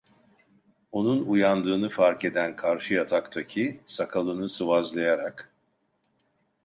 Onun uyandığını fark eden karşı yataktaki, sakalını sıvazlayarak: